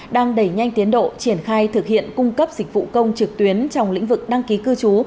đang đẩy nhanh tiến độ triển khai thực hiện cung cấp dịch vụ công trực tuyến trong lĩnh vực đăng ký cư trú